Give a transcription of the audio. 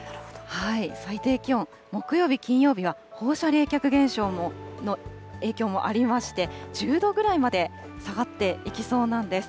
最低気温、木曜日、金曜日はほうしゃれいきゃくげんしょうの影響もありまして、１０度ぐらいまで下がっていきそうなんです。